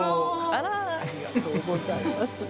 ありがとうございます。